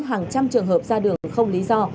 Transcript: hàng trăm trường hợp ra đường không lý do